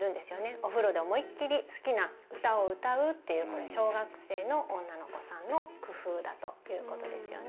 お風呂で思いっ切り好きな歌を歌うっていう小学生の女の子さんの工夫だということですよね。